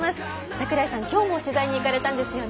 櫻井さん、きょうも取材に行かれたんですよね。